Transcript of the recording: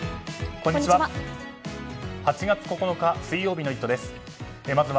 こんにちは。